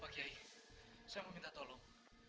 pak yai saya meminta tolong